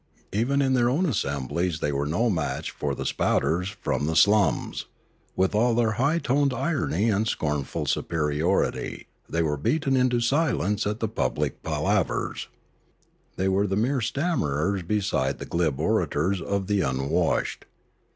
Even in their own assemblies they were no match for the spouters from the slums; with all their high toned irony and scornful superiority, they were beaten into silence at the public palavers; they were mere stammerers beside the glib orators of the un washed.